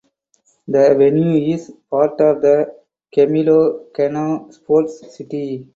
The venue is part of the Camilo Cano Sports City.